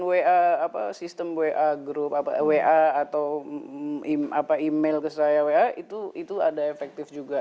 dan sistem wa atau email ke saya wa itu ada efektif juga